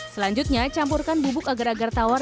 selanjutnya campurkan bubuk agar agar tawar